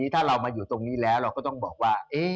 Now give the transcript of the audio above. ถ้าเรามาอยู่ตรงนี้แล้วเราก็ต้องบอกว่า